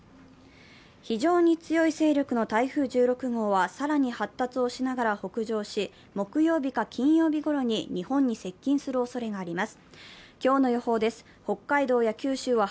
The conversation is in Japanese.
非常に強い勢力の台風１６号は、更に発達をしながら北上し、木曜日か金曜日ごろに日本に接近するおそれがあります。